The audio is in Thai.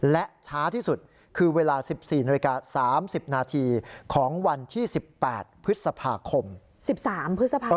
และช้าที่สุดคือเวลาสิบสี่นาฬิกาสามสิบนาทีของวันที่สิบแปดพฤษภาคมสิบสามพฤษภาคม